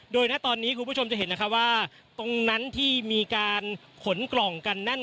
โดยณตอนนี้คุณผู้ชมจะเห็นนะคะว่าตรงนั้นที่มีการขนกล่องกันนั่น